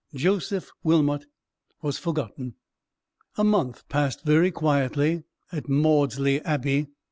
Joseph Wilmot was forgotten. A month passed very quietly at Maudesley Abbey.